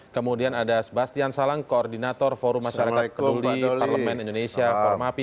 kemudian ada sebastian salang koordinator forum masyarakat keduli parlemen indonesia forum api